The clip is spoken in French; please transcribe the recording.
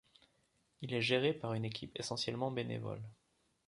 Il est géré par une équipe essentiellement bénévole.